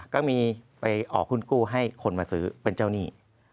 ก็มีไปออกหุ้นกู้ให้คนมาซื้อเป็นเจ้าหนี้